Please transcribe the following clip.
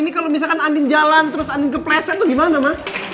ini kalau misalkan andin jalan terus andin kepleset tuh gimana ma